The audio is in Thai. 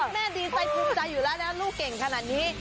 ดีใจภูมิใจอยู่แล้วนะลูกเก่งขนาดนี้